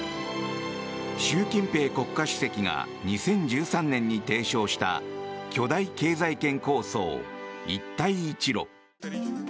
習近平国家主席が２０１３年に提唱した巨大経済圏構想、一帯一路。